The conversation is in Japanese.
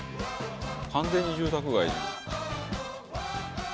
完全に住宅街。